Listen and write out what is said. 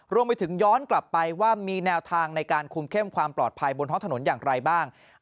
รวมไปถึงย้อนกลับไปว่ามีแนวทางในการคุมเข้มความปลอดภัยบนท้องถนนอย่างไรบ้าง